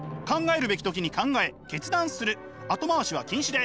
後回しは禁止です。